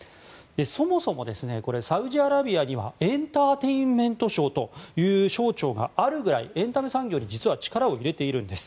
そもそも、サウジアラビアにはエンターテインメント省という省庁があるぐらいエンタメ産業に力を入れているんです。